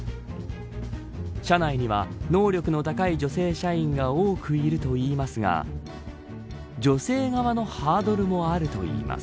社内には能力の高い女性社員が多くいるといいますが女性側のハードルもあるといいます。